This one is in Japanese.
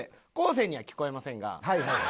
生には聞こえませんが。